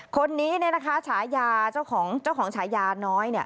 คนนี้เนี่ยนะคะเจ้าของชายาน้อย